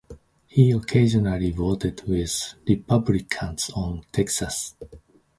He occasionally voted with Republicans on taxes.